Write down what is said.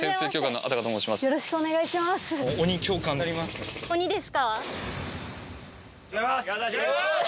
よろしくお願いします。